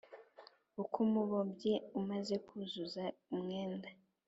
ak’umuboshyi umaze kuzuza umwenda,